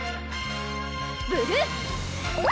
ブルー！